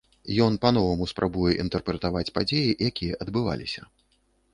Ён па-новаму спрабуе інтэрпрэтаваць падзеі, якія адбываліся.